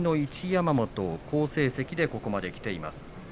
山本好成績でここまできています。